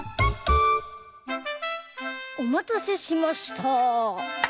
おまたせしました。